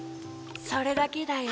・それだけだよ。